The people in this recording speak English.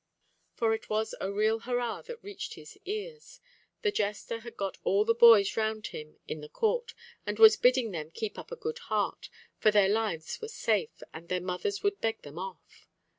For it was a real hurrah that reached his ears. The jester had got all the boys round him in the court, and was bidding them keep up a good heart, for their lives were safe, and their mothers would beg them off.